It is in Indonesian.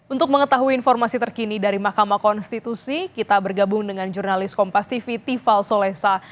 untuk mengetahui informasi terkini dari mahkamah konstitusi kita bergabung dengan jurnalis kompastv tifal soleza